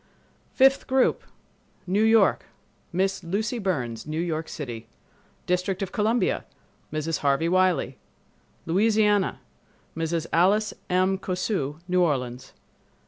Fifth Group New York—Miss Lucy Burns, New York City. District of Columbia—Mrs. Harvey Wiley. Louisiana—Mrs. Alice M. Cosu, New Orleans.